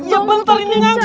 iya bentar ini nyangkut